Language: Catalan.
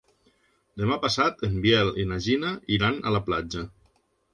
Demà passat en Biel i na Gina iran a la platja.